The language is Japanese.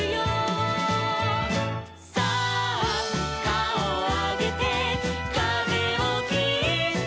「さあかおをあげてかぜをきって」